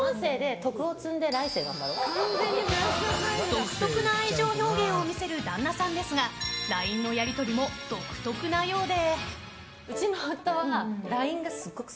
独特な愛情表現を見せる旦那さんですがＬＩＮＥのやり取りも独特なようで。